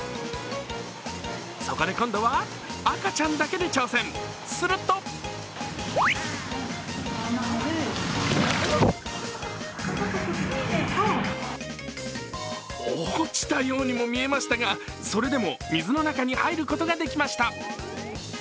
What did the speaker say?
そこで今度は赤ちゃんだけで挑戦、すると落ちたようにも見えましたがそれでも水の中に入ることができました。